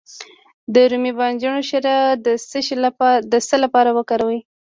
د رومي بانجان شیره د څه لپاره وکاروم؟